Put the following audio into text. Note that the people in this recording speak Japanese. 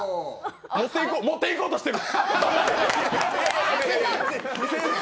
持っていこうとしてる！